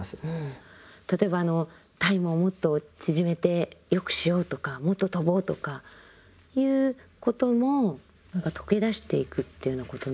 例えばあのタイムをもっと縮めて良くしようとかもっと跳ぼうとかいうことも何か溶け出していくというようなことなんですか？